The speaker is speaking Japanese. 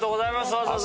わざわざ。